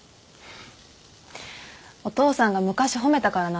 お父さんが昔褒めたからなんだよ。